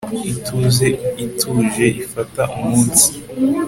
ituze ituje ifata umunsi